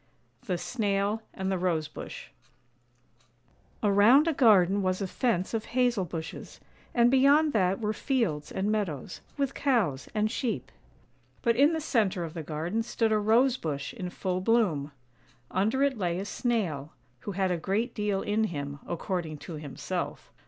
THE SNAIL AND THE ROSE BUSH AROUND a garden was a fence of hazel bushes, and beyond that were fields and meadows, with cows and sheep; but in the centre of the garden stood a Rose bush in full bloom. Under it lay a Snail, who had a great deal in him, according to himself.